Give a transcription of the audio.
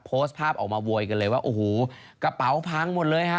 โพสต์ภาพออกมาโวยกันเลยว่าโอ้โหกระเป๋าพังหมดเลยฮะ